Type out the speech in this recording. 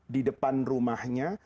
di depan rumahnya